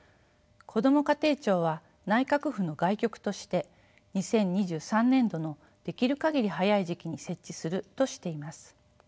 こども家庭庁は内閣府の外局として２０２３年度のできる限り早い時期に設置するとしています。